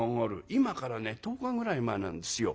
「今からね１０日ぐらい前なんですよ。